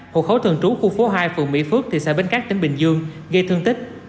hộ khẩu thường trú khu phố hai phường mỹ phước thị xã bến cát tỉnh bình dương gây thương tích